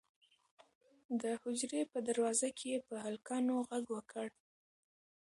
د حجرې په دروازه کې یې په هلکانو غږ وکړ.